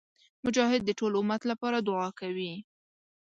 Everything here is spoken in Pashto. مجاهد د ټول امت لپاره دعا کوي.